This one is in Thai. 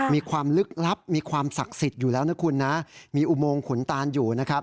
มีความลึกลับมีความศักดิ์สิทธิ์อยู่แล้วนะคุณนะมีอุโมงขุนตานอยู่นะครับ